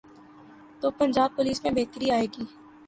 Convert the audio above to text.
تو پنجاب پولیس میں بہتری آئے گی۔